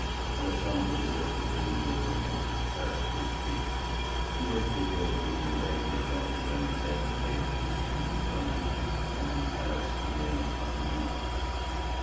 Alexander resolved to bring the contemptuous Arabs to his feet: he was preparing to invade their land when death laid its hand upon him, and the Arabs remained unconquered.